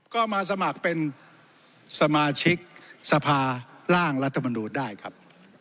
ก็มาสมัครเป็นสมาชิกสภาร่างรัฐมนูลได้ครับ